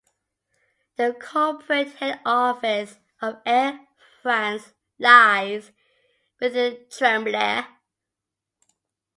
The corporate head office of Air France lies within Tremblay.